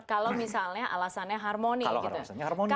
kalau misalnya alasannya harmoni gitu ya kalau alasannya harmoni